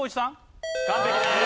完璧です。